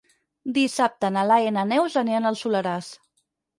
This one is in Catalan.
Dissabte na Laia i na Neus aniran al Soleràs.